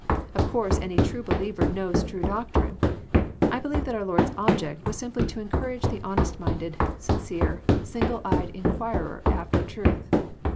Of course any true believer knows true doctrine. I believe that our Lord's object was simply toencourage the honest minded, sincere, single eyed inquirer_t^er truth.